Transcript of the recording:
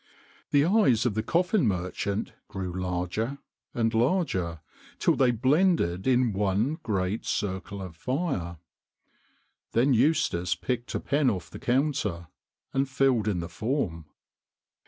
The eyes of the coffin merchant grew larger and larger, till they blended in one great circle of fire. Then Eustace picked a pen off the counter and filled in the form.